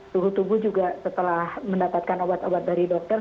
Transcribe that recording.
suhu tubuh juga setelah mendapatkan obat obat dari dokter